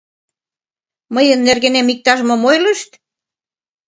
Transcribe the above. — Мыйын нергенем иктаж-мом ойлышт?